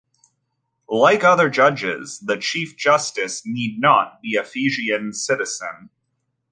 Like other judges, the Chief Justice need not be a Fijian citizen.